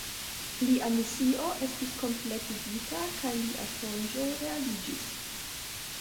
Lia misio estis kompletigita kaj lia sonĝo realiĝis.